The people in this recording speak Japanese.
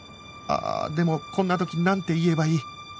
ああでもこんな時なんて言えばいい？